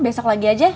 besok lagi aja